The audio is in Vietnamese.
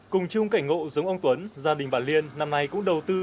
cùng chung cảnh ngộ giống ông tuấn gia đình bà liên năm nay cũng đầu tư